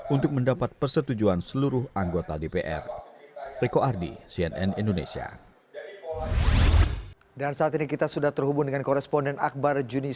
untuk mendapat persetujuan seluruh anggota dpr